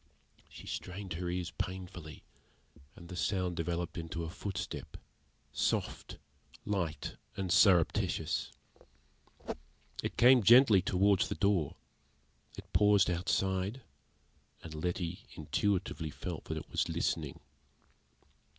She strained her ears painfully, and the sound developed into a footstep, soft, light, and surreptitious. It came gently towards the door; it paused outside, and Letty intuitively felt that it was listening.